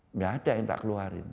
nggak ada yang tak keluarin